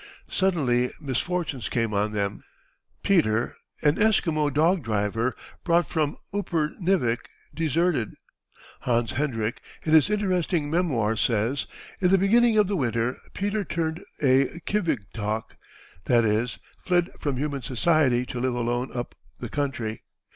Suddenly misfortunes came on them. Peter, an Esquimau dog driver, brought from Upernivik, deserted. Hans Hendrik, in his interesting "Memoirs," says: "In the beginning of the winter Peter turned a Kivigtok, that is, fled from human society to live alone up the country.